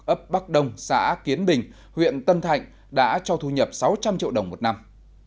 ấp bắc đông xã kiến bình huyện tân thạnh đã cho thu nhập sáu trăm linh triệu đồng một năm